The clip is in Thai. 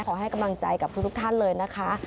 ขอให้กำลังใจกับทุกท่านเลยนะคะ